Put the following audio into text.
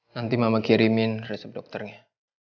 nanti mama kirimin resep dokternya